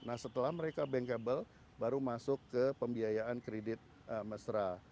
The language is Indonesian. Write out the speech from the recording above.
nah setelah mereka bankable baru masuk ke pembiayaan kredit mesra